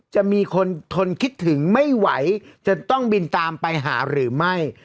จะมีคนทนคิดถึงไม่ไหวจะต้องบินตามไปหาหรือไม่